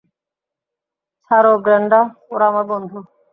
ছাড়ো ব্রেন্ডা, ওরা আমার বন্ধু।